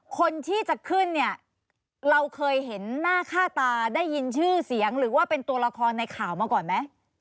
คนที่จะขึ้นเนี่ยเราเคยเห็นหน้าค่าตาได้ยินชื่อเสียงหรือว่าเป็นตัวละครในข่าวมาก่อนไหม